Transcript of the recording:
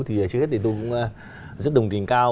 trước hết thì tôi cũng rất đồng tình cao